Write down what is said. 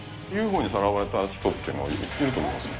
ＵＦＯにさらわれた人というのはいると思いますよ。